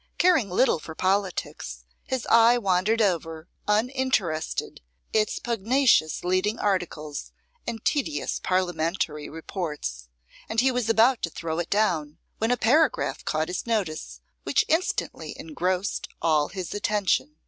Caring little for politics, his eye wandered over, uninterested, its pugnacious leading articles and tedious parliamentary reports; and he was about to throw it down when a paragraph caught his notice which instantly engrossed all his attention.